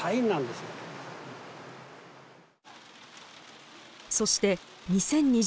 そして２０２０年７月。